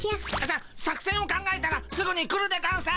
さ作戦を考えたらすぐに来るでゴンス！